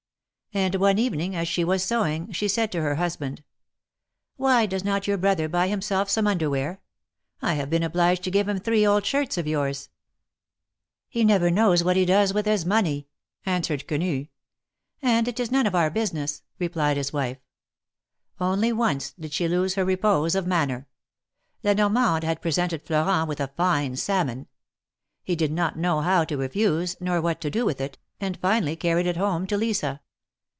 '^ And one evening, as she was sewing, she said to her husband : '^Why does not your brother buy himself some under wear? I have been obliged to give him three old shirts of yours." '^He never knows what he does with his money," answered Quenu. ''And it is none of our business," replied his wife. Only once did she lose her repose of manner. La Normande had presented Florent with a fine salmon. He did not know how to refuse, nor what to do with it, and finally carried it home to Lisa.